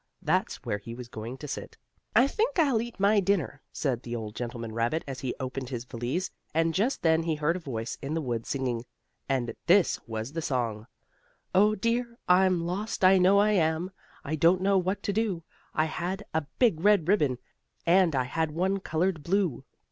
That's where he was going to sit. "I think I'll eat my dinner," said the old gentleman rabbit as he opened his valise, and just then he heard a voice in the woods singing. And this was the song: "Oh dear! I'm lost, I know I am, I don't know what to do. I had a big red ribbon, and I had one colored blue.